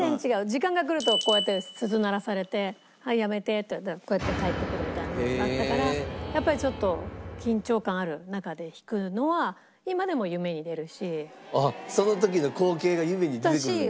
時間がくるとこうやって鈴鳴らされて「はいやめて」って言われたらこうやって帰ってくるみたいなのだったからやっぱりちょっと緊張感ある中で弾くのはあっその時の光景が夢に出てくるんですか？